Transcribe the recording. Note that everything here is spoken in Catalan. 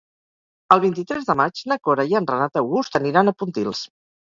El vint-i-tres de maig na Cora i en Renat August aniran a Pontils.